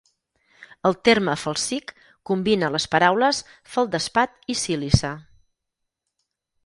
El terme "felsic" combina les paraules "feldespat" i "sílice".